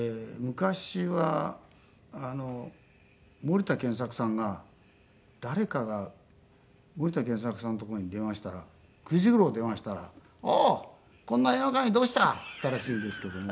昔は森田健作さんが誰かが森田健作さんのところに電話したら９時頃電話したら「おおこんな夜中にどうした？」って言ったらしいんですけどね。